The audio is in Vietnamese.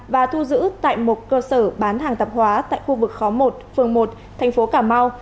và thu giữ tại một cơ sở bán hàng tạp hóa tại khu vực khóm một phường một thành phố cà mau